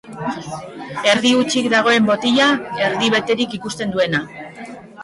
Erdi hutsik dagoen botila, erdi beterik ikusten duena.